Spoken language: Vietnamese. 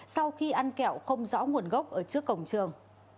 sau khi ăn kẹo không rõ nguồn gốc ở trước cổng trường